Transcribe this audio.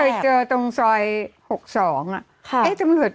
พี่เคยเจอตรงซอย๖๒อะ